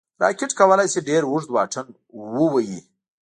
راکټ کولی شي ډېر اوږد واټن ووايي